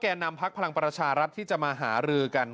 นำพักพลังประชารัฐที่จะมาหารือกัน